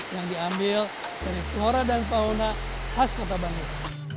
yang diambil dari flora dan fauna khas kota bandung